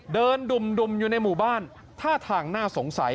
ดุ่มอยู่ในหมู่บ้านท่าทางน่าสงสัย